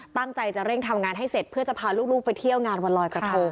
ตั้งใจจะเร่งทำงานให้เสร็จเพื่อจะพาลูกไปเที่ยวงานวันลอยกระทง